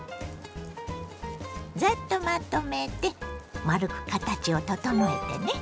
ざっとまとめて丸く形を整えてね。